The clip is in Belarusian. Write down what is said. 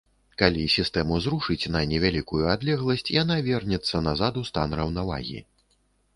Калі сістэму зрушыць на невялікую адлегласць, яна вернецца назад у стан раўнавагі.